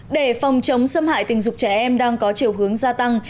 để phòng chống xâm hại tình dục trẻ em đang có chiều hướng gia tăng